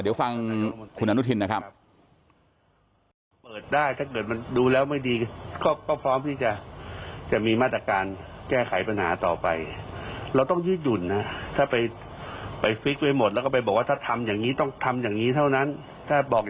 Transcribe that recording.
เดี๋ยวฟังคุณอนุทินนะครับ